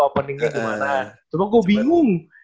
openingnya kemana cuma gue bingung